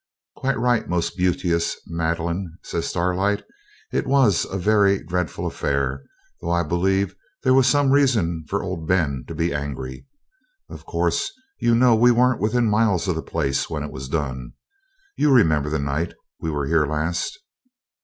'Quite right, most beauteous Madeline,' says Starlight; 'it was a very dreadful affair, though I believe there was some reason for old Ben being angry. Of course, you know we weren't within miles of the place when it was done. You remember the night we were here last?'